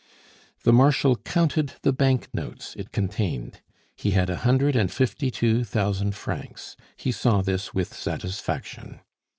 The Marshal counted the bank notes it contained; he had a hundred and fifty two thousand francs. He saw this with satisfaction.